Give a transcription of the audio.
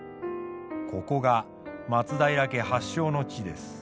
ここが松平家発祥の地です。